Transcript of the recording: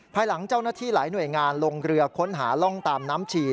ภายหลังเจ้าหน้าที่หลายหน่วยงานลงเรือค้นหาล่องตามน้ำชี